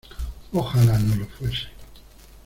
¡ ojalá no lo fuese!